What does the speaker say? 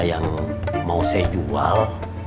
yang mau saya jual